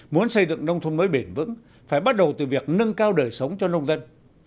muốn xây dựng nông thôn mới bền vững phải bắt đầu từ việc nâng cao đời sống cho nông dân